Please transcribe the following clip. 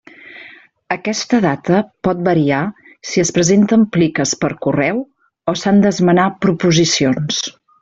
Aquesta data pot variar si es presenten pliques per correu o s'han d'esmenar proposicions.